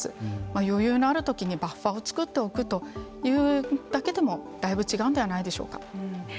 余裕があるときにバッファを作っておくというだけでもだいぶ違うのではないでしょうか。